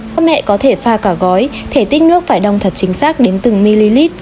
các mẹ có thể pha cả gói thể tích nước phải đong thật chính xác đến từng ml